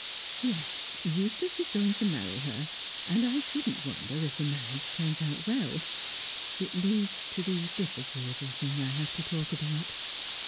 "Yes, Eustace is going to marry her; and I shouldn't wonder if the marriage turns out well. It leads to the disagreeable thing I have to talk about.